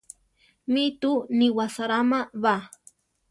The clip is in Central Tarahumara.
Mi túu ni wasaráma ba.